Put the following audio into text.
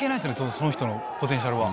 その人のポテンシャルは。